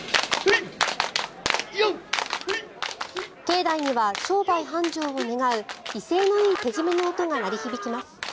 境内には商売繁盛を願う威勢のいい手締めの音が鳴り響きます。